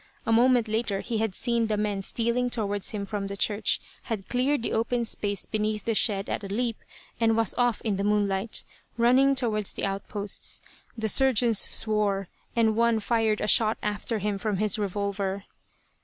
A moment later he had seen the men stealing towards him from the church, had cleared the open space beneath the shed at a leap, and was off in the moonlight, running towards the outposts. The surgeons swore; and one fired a shot after him from his revolver.